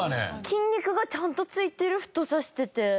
筋肉がちゃんとついてる太さしてて。